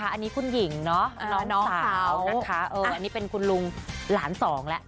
อันนี้คุณหญิงเนอะน้องสาวนะคะอันนี้เป็นคุณลุงหลานสองแล้ว